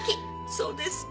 そうですか？